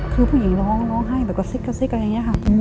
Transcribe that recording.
คือผู้หญิงร้องร้องไห้แบบกระซิกกระซิกอะไรอย่างนี้ค่ะ